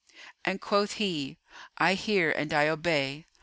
And quoth he, "I hear and I obey."